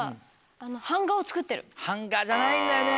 版画じゃないんだよね。